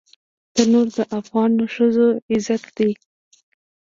تنور د افغانو ښځو عزت دی